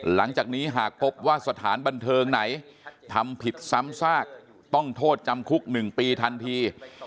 หลังจากนี้หากพบว่าสถานบันเทิงไหนทำผิดซ้ำซากต้องโทษจำคุก๑ปีทันที